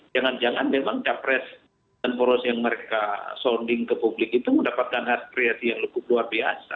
jangan jangan memang capres dan poros yang mereka sounding ke publik itu mendapatkan aspirasi yang luar biasa